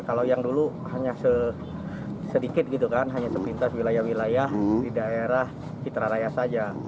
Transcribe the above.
kalau yang dulu hanya sedikit gitu kan hanya sepintas wilayah wilayah di daerah citra raya saja